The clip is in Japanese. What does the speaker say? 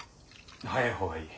早いほうがいい。